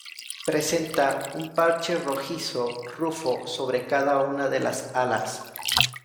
Presenta un parche rojizo rufo sobre cada una de las alas.